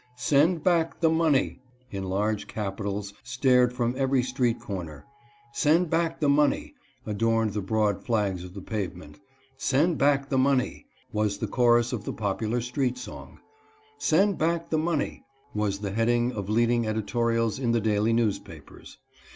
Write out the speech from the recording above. '; Send back the money !" in large capitals stared from every street corner ;" Send back the money!" adorned the broad flags of the pavement; "Send back the money !" was the chorus of the popular street song ;" Send back the money !" was the heading of leading editorials in the daily newspapers.